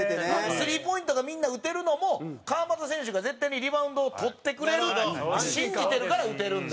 スリーポイントがみんな打てるのも川真田選手が絶対にリバウンドを取ってくれるって信じてるから打てるんで。